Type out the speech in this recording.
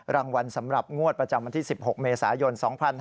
รางวัลสำหรับงวดประจำวันที่๑๖เมษายน๒๕๕๙